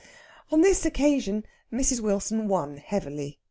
On this occasion Mrs. Wilson won heavily.